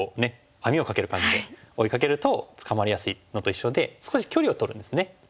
網を掛ける感じで追いかけると捕まりやすいのと一緒で少し距離をとるんですね。